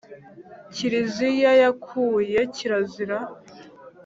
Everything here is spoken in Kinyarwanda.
Kiriziya yakuye kirazira.